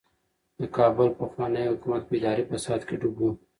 د کابل پخوانی حکومت په اداري فساد کې ډوب و.